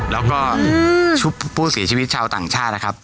แล้วก็ผู้เสียชีวิตชาวต่างชาตินะครับ